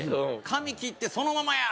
「髪切ってそのままや！」